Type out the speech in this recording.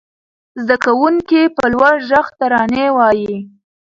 زده کوونکي په لوړ غږ ترانې وايي.